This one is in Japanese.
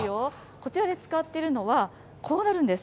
こちらで使っているのは、こうなるんです。